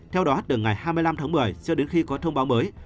theo đó từ ngày hai mươi năm tháng một mươi cho đến khi có thông báo mới